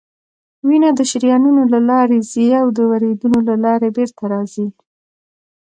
وینه د شریانونو له لارې ځي او د وریدونو له لارې بیرته راځي